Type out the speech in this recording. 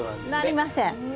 なりません。